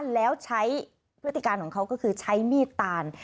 แล้วใช้พฤติการของเขาก็คือใช้มีดตาน